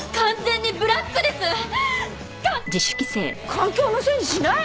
環境のせいにしない！